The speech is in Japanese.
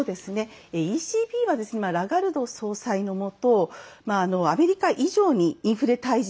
ＥＣＢはラガルド総裁のもとアメリカ以上にインフレ退治